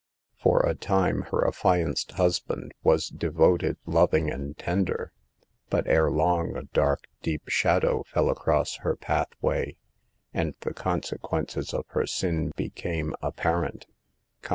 For a time her affianced husband was de, voted, loving and tender; but ere long a dark, deep shadow fell across her pathway, and the consequences of her sin became apparent — con.